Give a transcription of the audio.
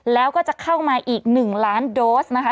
แล้วก็จะเข้ามาอีก๑ล้านโดสนะคะ